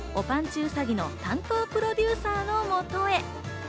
うさぎの担当プロデューサーのもとへ。